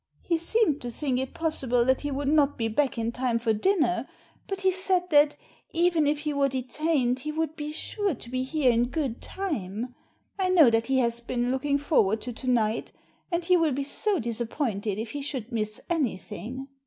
He seemed to think it possible that he would not be back in time for dinner, but he said that, even if he were detained, he would be sure to be here in good time. I know that he has been looking for ward to to night, and he will be so disappointed if he should miss anything."